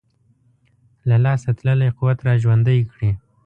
له لاسه تللی قوت را ژوندی کړي.